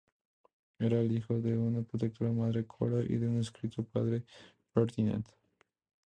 Era el único hijo de una protectora madre, Cora, y un estricto padre, Ferdinand.